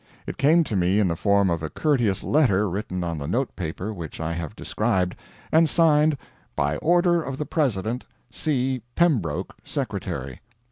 It came to me in the form of a courteous letter, written on the note paper which I have described, and signed "By order of the President; C. PEMBROKE, Secretary."